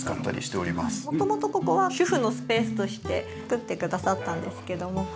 元々ここは主婦のスペースとして作ってくださったんですけども。